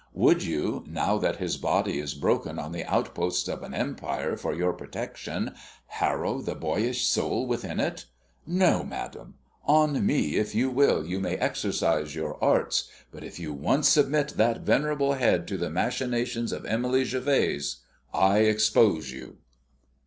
Would you, now that his body is broken on the outposts of an Empire for your protection, harrow the boyish soul within it? No, madam. On me, if you will, you may exercise your arts; but if you once submit that venerable head to the machinations of Emily Gervase I expose you."